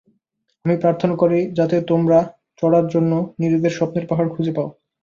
আমি প্রার্থনা করি, যাতে তোমরা চড়ার জন্য নিজেদের স্বপ্নের পাহাড় খুঁজে পাও।